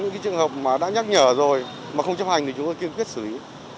những trường hợp mà đã nhắc nhở rồi mà không chấp hành thì chúng tôi kiên quyết xử lý